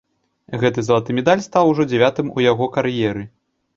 Гэты залаты медаль стаў ужо дзявятым у яго кар'еры.